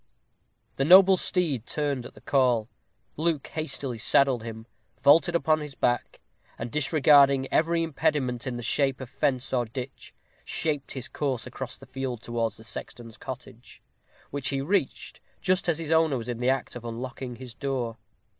The noble steed turned at the call. Luke hastily saddled him, vaulted upon his back, and, disregarding every impediment in the shape of fence or ditch, shaped his course across the field towards the sexton's cottage, which he reached just as its owner was in the act of unlocking his door.